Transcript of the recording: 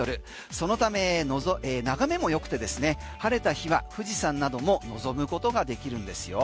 そのため眺めも良くて晴れた日は富士山なども望むことができるんですよ。